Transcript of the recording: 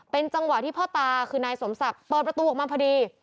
เป็นจังหวะที่พ่อตาคือนายสมศักดิ์เปิดประตูออกมาพอดี